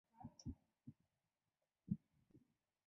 针对中央提出的低风险地区之间的人员和货物流动